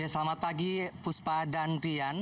selamat pagi puspa dan rian